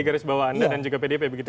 garis bawah anda dan juga pdp begitu ya